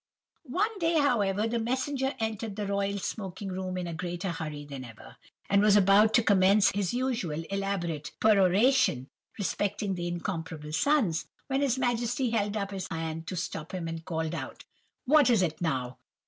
"One day, however, the messenger entered the royal smoking room in a greater hurry than ever, and was about to commence his usual elaborate peroration respecting the incomparable sons, when his Majesty held up his hand to stop him, and called out:— "'What is it now?